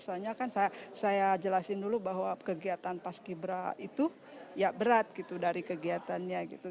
soalnya kan saya jelasin dulu bahwa kegiatan paski bra itu ya berat gitu dari kegiatannya gitu